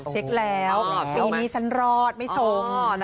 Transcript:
เช็คแล้วปีนี้ฉันรอดไม่ชม